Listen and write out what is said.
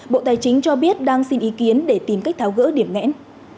bộ tài chính cho biết đang xin ý kiến để tìm cách tháo gỡ điểm nghẽn